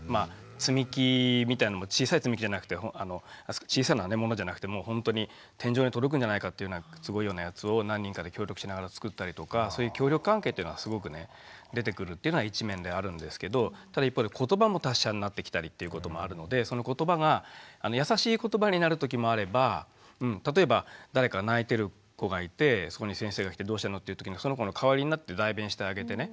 積み木みたいのも小さい積み木じゃなくて小さなものじゃなくてもうほんとに天井に届くんじゃないかっていうようなすごいようなやつを何人かで協力しながら作ったりとかそういう協力関係っていうのはすごくね出てくるっていうのは一面であるんですけどただ一方でことばも達者になってきたりっていうこともあるのでそのことばが優しいことばになる時もあれば例えば誰か泣いてる子がいてそこに先生が来て「どうしたの？」っていう時にその子の代わりになって代弁してあげてね